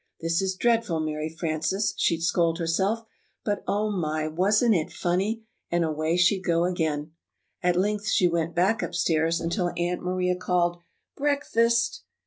"This is dreadful, Mary Frances," she'd scold herself; "but, oh, my, wasn't it funny!" and away she'd go again. At length she Went back upstairs until Aunt Maria called, "Breakfast!"